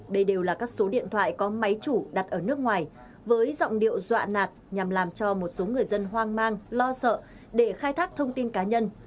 đây đều là các số điện thoại có máy chủ đặt ở nước ngoài với giọng điệu dọa nạt nhằm làm cho một số người dân hoang mang lo sợ để khai thác thông tin cá nhân